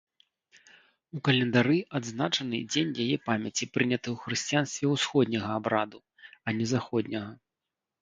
У календары адзначаны дзень яе памяці прыняты ў хрысціянстве ўсходняга абраду, а не заходняга.